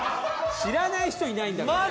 知らない人いないんだから。